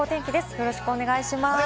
よろしくお願いします。